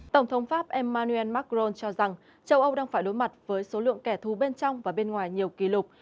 tổng thống pháp emmanuel macron cho rằng châu âu đang phải đối mặt với số lượng kẻ thù bên trong và bên ngoài nhiều kỷ lục